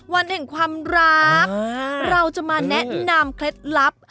วันแห่งความรักเราจะมาแนะนำเคล็ดลับ